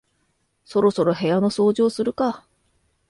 そろそろ部屋の掃除をするか